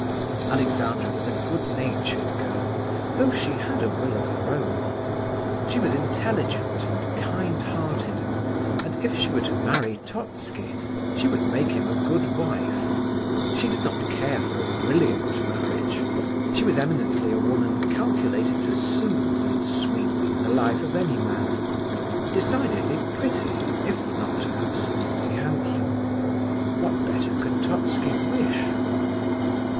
Alexandra was a good natured girl, though she had a will of her own. She was intelligent and kind hearted, and, if she were to marry Totski, she would make him a good wife. She did not care for a brilliant marriage; she was eminently a woman calculated to soothe and sweeten the life of any man; decidedly pretty, if not absolutely handsome. What better could Totski wish?